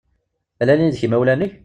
Llan yid-k yimawlan-ik?